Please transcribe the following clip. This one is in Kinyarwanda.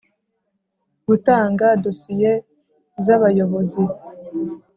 Gutanga dosiye z’abayobozi.